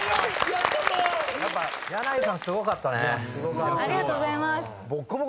ありがとうございます。